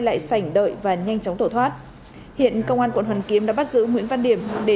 lại sảnh đợi và nhanh chóng tổ thoát hiện công an quận hoàn kiếm đã bắt giữ nguyễn văn điểm để